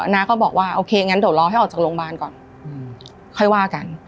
น้าก็บอกว่าโอเคงั้นเดี๋ยวรอให้ออกจากโรงพยาบาลก่อนค่อยว่ากัน